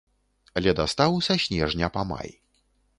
Ледастаў са снежня па май.